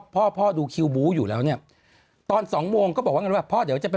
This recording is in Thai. พ่อพ่อดูคิวบู้อยู่แล้วเนี่ยตอนสองโมงก็บอกว่างั้นว่าพ่อเดี๋ยวจะไป